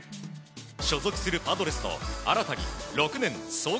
所属するパドレスと新たに６年総額